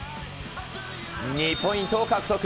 ２ポイントを獲得。